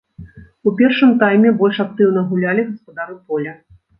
У першым тайме больш актыўна гулялі гаспадары поля.